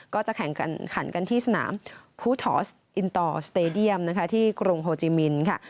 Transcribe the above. ก็จะแข่งขันกันที่สนามภูทอสอินตอร์สเตดียมนะคะที่กรุงโฮจิมินค่ะ